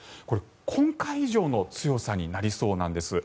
今回以上の強さになりそうなんです。